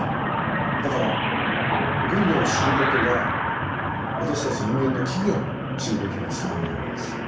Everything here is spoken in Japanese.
だからゴリラを知ることは私たち人間の起源を知ることにつながるわけです。